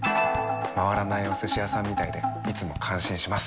回らないお寿司屋さんみたいでいつも感心します。